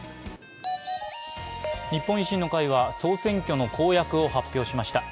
日本維新の会は総選挙の公約を発表しました。